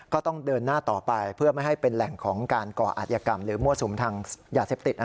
ก็ต้องเดินหน้าต่อไปเพื่อไม่ให้เป็นแหล่งของการก่ออาจยกรรมหรือมั่วสุมทางยาเสพติด